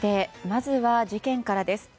まずは事件からです。